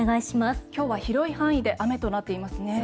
今日は広い範囲で雨となっていますね。